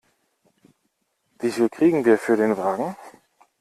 Wie viel kriegen wir für den Wagen?